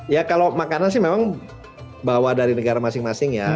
ya kalau makanan sih memang bawa dari negara masing masing ya